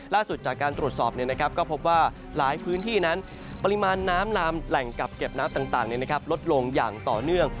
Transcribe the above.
ล่าสุดจากการตรวจสอบก็พบว่าหลายพื้นที่นั้นปริมาณน้ำลามแหล่งกักเก็บน้ำต่างลดลงอย่างต่อเนื่อง